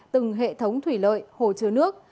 từng hệ thống thủy lợi hồ chứa nước